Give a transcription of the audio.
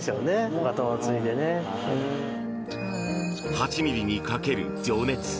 ８ｍｍにかける情熱。